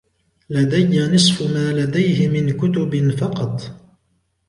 لدي نصف ما لديه من كتب فقط.